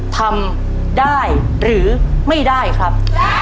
ทำได้หรือไม่ได้ครับ